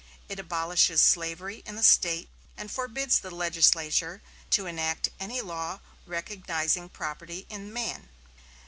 It abolishes slavery in the State, and forbids the legislature to enact any law recognizing property in man.